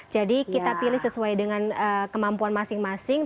jadi kita pilih sesuai dengan kemampuan masing masing